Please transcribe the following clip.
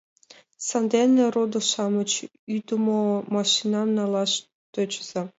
Сандене, родо-шамыч, ӱдымӧ машинам налаш тӧчыза.